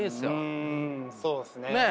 うんそうっすね。